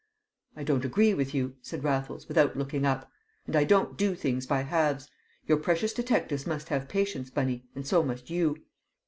"I don't agree with you," said Raffles without looking up, "and I don't do things by halves, Your precious detectives must have patience, Bunny, and so must you."